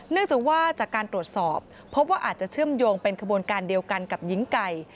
เนื่องจากว่าจากการตรวจสอบพบว่าอาจจะเชื่อมโยงเป็นขบวนการเดียวกันกับหญิงไก่